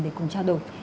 để cùng trao đổi